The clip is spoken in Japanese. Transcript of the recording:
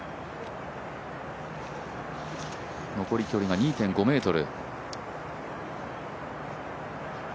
残り距離が２．５ｍ。